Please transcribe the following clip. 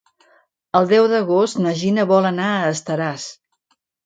El deu d'agost na Gina vol anar a Estaràs.